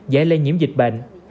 dễ lây nhiễm dịch bệnh